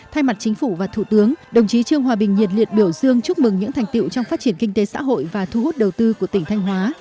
thay mặt chính phủ và thủ tướng đồng chí trương hòa bình nhiệt liệt biểu dương chúc mừng những thành tiệu trong phát triển kinh tế xã hội và thu hút đầu tư của tỉnh thanh hóa